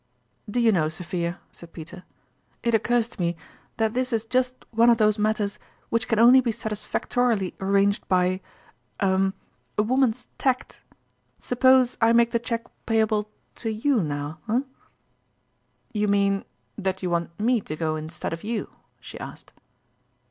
" Do you know, Sophia," said Peter, " it occurs to me that this is just one of those matters which can only be satisfactorily ar ranged by er a woman's tact. Suppose I make the cheque payable to you now eh ?"" You mean, that you want me to go instead of you ?" she asked.